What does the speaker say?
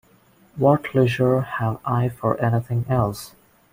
What leisure have I for anything else?